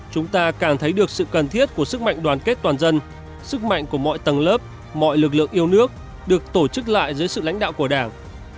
chúng ta càng thấy được sự cần thiết của sức mạnh đoàn kết toàn dân sức mạnh của mọi tầng lớp mọi lực lượng yêu nước được tổ chức lại dưới sự lãnh đạo của đảng